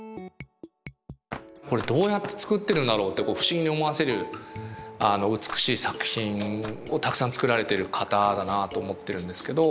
これどうやって作ってるんだろうって不思議に思わせる美しい作品をたくさん作られてる方だなと思ってるんですけど。